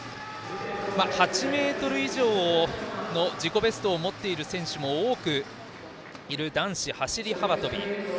８ｍ以上の自己ベストを持っている選手も多くいる男子走り幅跳び。